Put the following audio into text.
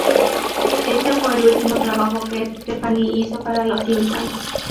Este fue el último trabajo que Stefani hizo para "Los Simpson".